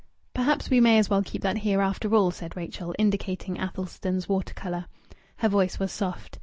"Perhaps we may as well keep that here, after all," said Rachel, indicating Athelsan's water colour. Her voice was soft.